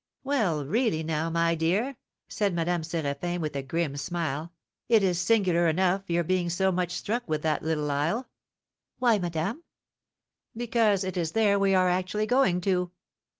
"Well, really, now, my dear," said Madame Séraphin, with a grim smile, "it is singular enough your being so much struck with that little isle!" "Why, madame?" "Because it is there we are actually going to."